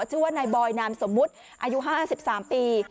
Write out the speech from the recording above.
ชื่อว่านายบอยนามสมมุติอายุ๕๓ปี